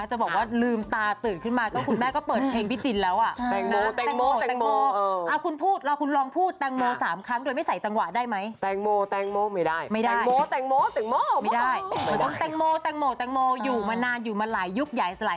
จะบอกว่าลืมตาตื่นขึ้นมาก็คุณแม่ก็เปิดเพลงพี่จินแล้วอ่ะ